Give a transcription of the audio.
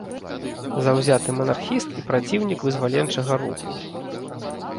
Заўзяты манархіст і праціўнік вызваленчага руху.